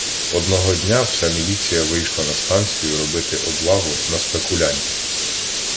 Одного дня вся міліція вийшла на станцію робити облаву на "спекулянтів".